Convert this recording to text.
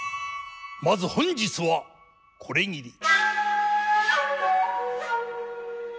まず本日はこれぎり。